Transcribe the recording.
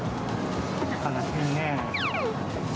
悲しいね。